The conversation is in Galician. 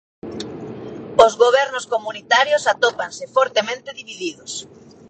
Os gobernos comunitarios atópanse fortemente divididos.